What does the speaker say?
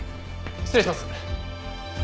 失礼します。